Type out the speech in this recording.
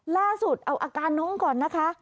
ล่าสุดเอาอาการน้องก่อนนะคะ